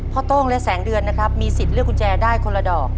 โต้งและแสงเดือนนะครับมีสิทธิ์เลือกกุญแจได้คนละดอก